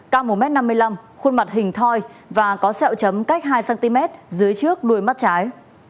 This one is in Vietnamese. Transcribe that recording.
cao một m năm mươi năm khuôn mặt hình thoi và có sẹo chấm cách hai cm dưới trước đuôi mắt trái